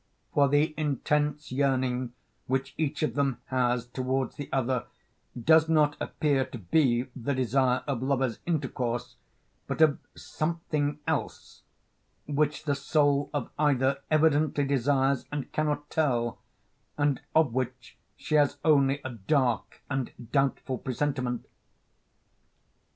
For the intense yearning which each of them has towards the other does not appear to be the desire of lover's intercourse, but of something else which the soul of either evidently desires and cannot tell, and of which she has only a dark and doubtful presentiment.